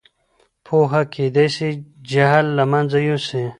پوهه کېدای سي جهل له منځه یوسي.